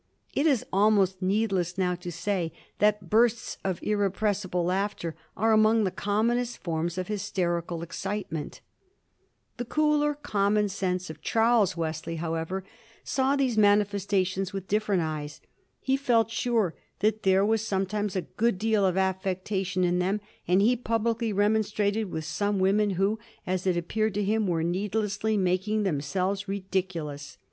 It is al most needless now to say that bursts of irrepressible laughter are among the commonest forms of hysterical excitement. The cooler common sense of Charles Wesley, however, 1788. WHITEFIELD'S ORATORY. 189 saw these manifestations with different eyes. He felt sure that there was sometimes a good deal of affectation in them, and he publicly remonstrated with some women who, as it appeared to him, were needlessly making them selves ridiculous.